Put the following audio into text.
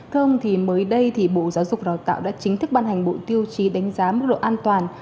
thơm thì mới đây thì bộ giáo dục và đào tạo đã chính thức ban hành bộ tiêu chí đánh giá mức độ an toàn